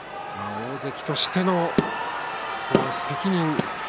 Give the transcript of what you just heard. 大関としての責任。